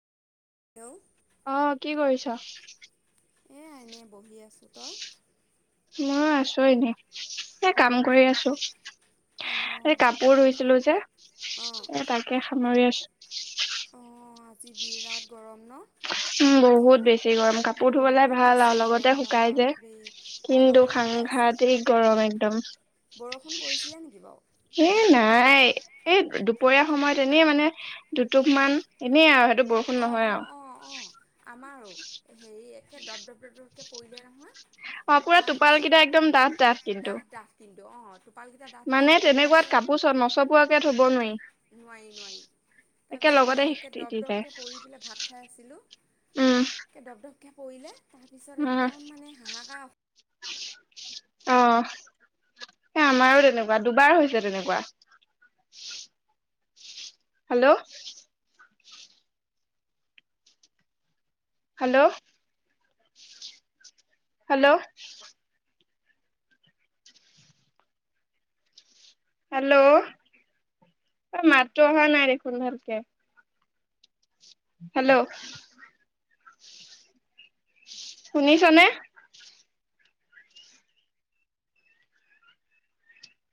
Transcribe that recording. Hello! অ' কি কৰিছ? এ' এনে বহি আছো তই? মই আছো এনে, এ' কাম কৰি আছো। এই অঁ কাপোৰ ধুইছিলোঁ যে, এ তাকে সামৰি আছো। অ' আজি বিৰাট গৰম ন। উম, বহুত বেছি গৰম কাপোৰ ধুবলৈাই বহুত ভাল বেছি আৰু গৰম লগতে শুকাই যে বাপৰে অঁ কিন্তু লগতে খাংঘা শুকাইছে ঘাতিক উম, গৰম একদম। বৰষুণ পৰিছিলে নেকি বাৰু? এ' তাত নাই এই দুপৰীয়া সময়ত এনেই মানে দুটুপ অঁ মান এনে আৰু সেইটো বৰষুণ অঁ নহয় অঁ অঁ আৰু। এ' ডপ-ডপ ডপকে পৰিলে নহয়। অ' পুৰা তাৰপিছত টোপালঘিটা একদম ডাঠ ডাঠ কিন্তু। ডাঠ কিন্তু অঁ টোপালকেইটা ডাঠ ডাঠ মানে কিন্তু তেনেকুৱাত তাৰপিছত কাপোৰ নচপোৱাকে ঠব নোৱাৰি। নোৱাৰি, নোৱাৰি একে তাৰপিছত লগতে সেই একে তিতি ডপ যায় ডপকে পৰি পেলাই ভাত খাই আছিলোঁ উম এক কে ডপ ডপকে পৰিলে তাৰপিছত উম একদম মানে হাহাকাৰ অ'। এ' আমাৰো তেনেকুৱা দুবাৰ হৈছে তেনেকুৱা। হেল্ল! হেল্ল! হেল্ল! হেল্ল'! অ', মাতটো অহা নাই দেখোন ভালকে। হেল্ল'! শুনিছানে?